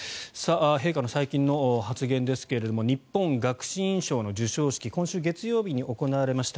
陛下の最近の発言ですが日本学士院賞の授賞式が今週月曜日に行われました。